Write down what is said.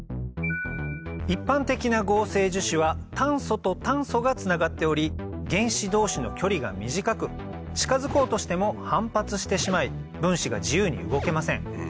一般的な合成樹脂は炭素と炭素がつながっており原子同士の距離が短く近づこうとしても反発してしまい分子が自由に動けません